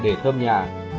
để thơm nhà